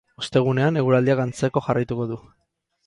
Ostegunean, eguraldiak antzeko jarraituko du.